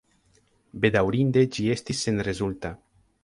Bedaŭrinde ĝi estis senrezulta.